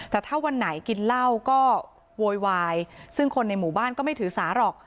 แต่ถ้าวันไหนกินเหล้าก็โวยวายซึ่งคนในหมู่บ้านก็ไม่ถือสาหรอก